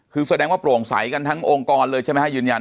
ขึ้นแหมตรงถ่ายกันทั้งองค์ก้อนเลยใช่ไหมให้ยืนยัน